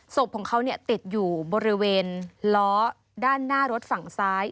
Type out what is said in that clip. ศพของเขาติดอยู่บริเวณล้อด้านหน้ารถฝั่งซ้าย